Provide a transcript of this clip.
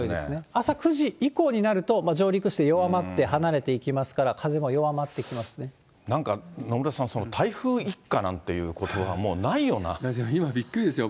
朝９時以降になると上陸して弱まって、離れていきますから、なんか野村さん、台風一過な今、びっくりですよ。